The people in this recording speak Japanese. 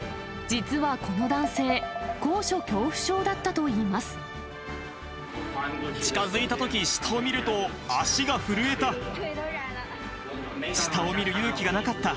実はこの男性、高所恐怖症だった近づいたとき、下を見ると、足が震えた。